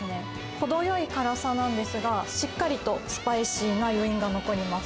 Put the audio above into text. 程よい辛さなんですが、しっかりとスパイシーな余韻が残ります。